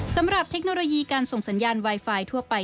เทคโนโลยีการส่งสัญญาณไวไฟทั่วไป